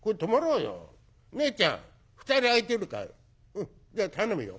うんじゃ頼むよ。